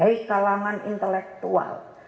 hei kalangan intelektual